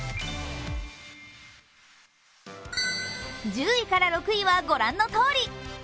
１０位から６位は御覧のとおり。